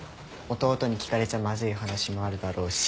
弟に聞かれちゃまずい話もあるだろうし。